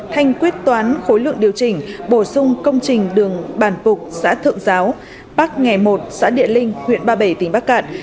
thanh quyết toán khối lượng điều chỉnh bổ sung công trình đường bản cục xã thượng giáo bắc nghè một xã điện linh huyện ba bể tỉnh bắc cạn